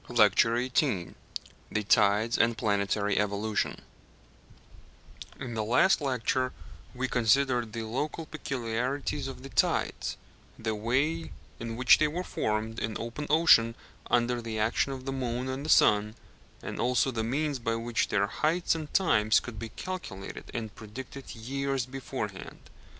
LECTURE XVIII THE TIDES, AND PLANETARY EVOLUTION In the last lecture we considered the local peculiarities of the tides, the way in which they were formed in open ocean under the action of the moon and the sun, and also the means by which their heights and times could be calculated and predicted years beforehand.